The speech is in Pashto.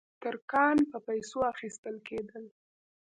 ترکان په پیسو اخیستل کېدل.